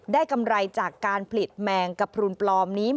กำไรจากการผลิตแมงกระพรุนปลอมนี้